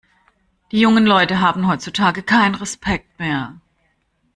Die jungen Leute haben heutzutage keinen Respekt mehr!